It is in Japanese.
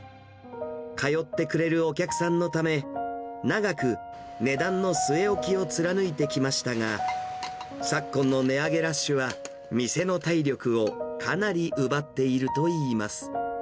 通ってくれるお客さんのため、長く、値段の据え置きを貫いてきましたが、昨今の値上げラッシュは、店の体力をかなり奪っているといいます。